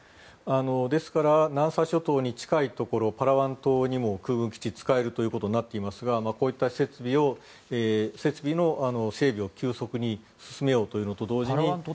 ですから南沙諸島に近いところパラワン島にも空軍基地使えることになっていますがこういった設備の整備を急速に進めようというのと同時に。